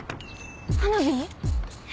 花火？